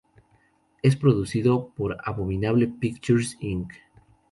Es producido por "Abominable Pictures, Inc.